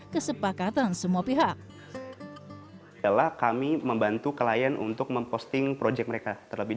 kesepakatan semua pihak adalah kami membantu klien untuk memposting project mereka terlebih